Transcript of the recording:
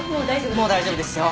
もう大丈夫ですよ。